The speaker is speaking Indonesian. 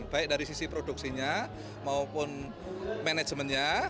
baik dari sisi produksinya maupun manajemennya